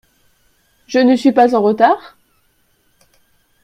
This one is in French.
Je ne suis pas en retard ?